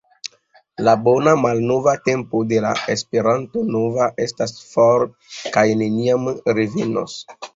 la “bona malnova tempo” de la Esperanto-movado estas for kaj neniam revenos.